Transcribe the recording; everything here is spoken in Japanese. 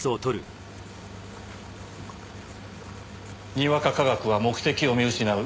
にわか科学は目的を見失う。